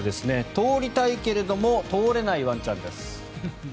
通りたいけれども通れないワンちゃんです。